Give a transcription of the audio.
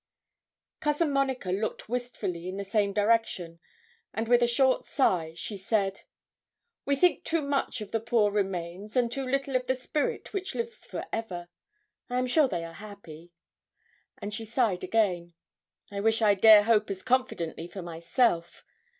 Cousin Monica looked wistfully in the same direction, and with a short sigh she said 'We think too much of the poor remains, and too little of the spirit which lives for ever. I am sure they are happy.' And she sighed again. 'I wish I dare hope as confidently for myself.